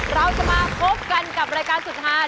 เราจะมาพบกันกับรายการสุดท้าย